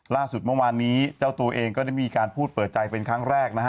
ล่าสุดเมื่อวานนี้เจ้าตัวเองก็ได้มีการพูดเปิดใจเป็นครั้งแรกนะฮะ